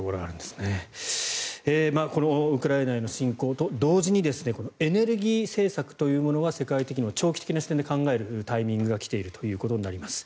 ウクライナへの侵攻と同時にエネルギー政策というものが世界的にも長期的に考える視点が来ているということになります。